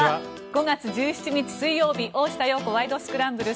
５月１７日、水曜日「大下容子ワイド！スクランブル」。